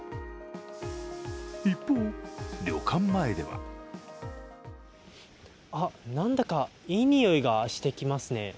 一方、旅館前ではあっ、何だか、いい匂いがしてきますね。